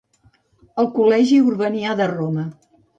El col·legi Urbanià de Roma.